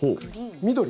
緑。